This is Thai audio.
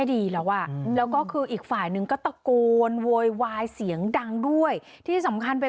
ที่สำคัญเป็นคนอีกฝ่ายเท่านั้นนะศาวนี้แทนก่อประเภยนี้บ้างมาก